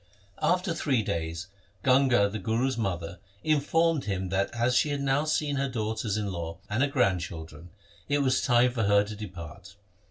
After three days Ganga the Guru's mother in formed him that as she had now seen her daughters in law, and her grandchildren, it was time for her to depart.